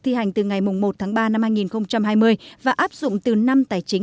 thi hành từ ngày một ba hai nghìn hai mươi và áp dụng từ năm tài chính hai nghìn hai mươi